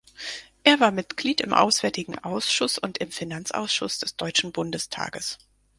Er war Mitglied im Auswärtigen Ausschuss und im Finanzausschuss des Deutschen Bundestages.